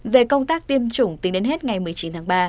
về công tác tiêm chủng tính đến hết ngày một mươi chín tháng ba